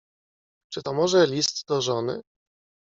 "Czy to może list do żony?"